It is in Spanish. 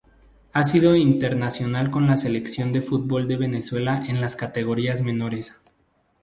Ha sido internacional con la selección de fútbol de Venezuela en las categorías menores.